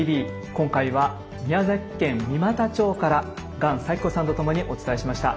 今回は宮崎県三股町から鳫咲子さんとともにお伝えしました。